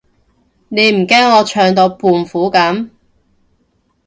你唔驚我唱到胖虎噉？